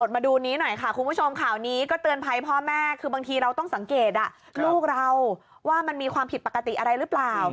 มาดูนี้หน่อยค่ะคุณผู้ชมข่าวนี้ก็เตือนภัยพ่อแม่คือบางทีเราต้องสังเกตลูกเราว่ามันมีความผิดปกติอะไรหรือเปล่า